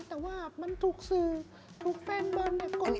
แต่ว่ามันถูกสื่อถูกแป้งบัน